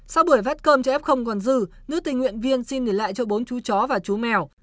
sau buổi vách cơm cho f còn dư nữ tình nguyện viên xin nghỉ lại cho bốn chú chó và chú mèo